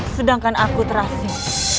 sedangkan aku terhasil